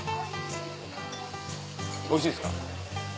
おいしいですか？